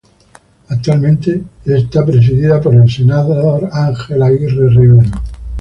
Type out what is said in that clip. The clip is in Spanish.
Actualmente es presidida por el Senador Ángel Aguirre Rivero.